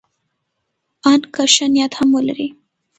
ان که ښه نیت هم ولري.